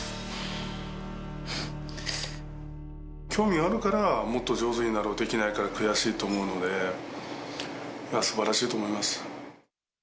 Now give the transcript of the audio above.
興味あるから、もっと上手になろう、できないから悔しいと思うので、すばらしいと思います。